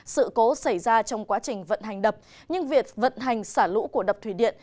sự cố xảy ra trong quá trình vận hành đập nhưng việc vận hành xả lũ của đập thủy điện